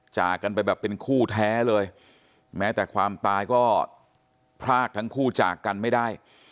จากกันไปแบบเป็นคู่แท้เลยแม้แต่ความตายก็พรากทั้งคู่จากกันไม่ได้